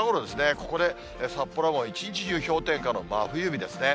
ここで札幌も一日中、氷点下の真冬日ですね。